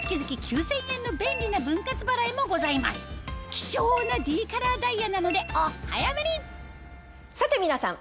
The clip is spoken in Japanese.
希少なＤカラーダイヤなのでお早めにさて皆さん